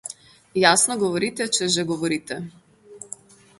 Jasno govorite, če že govorite.